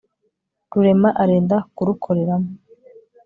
rurema arenda kurukoreramo